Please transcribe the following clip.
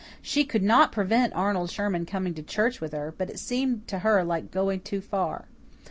She could not prevent Arnold Sherman coming to church with her, but it seemed to her like going too far.